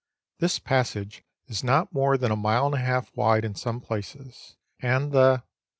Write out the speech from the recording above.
This passage is not more than a mile and a half wide in some places, and the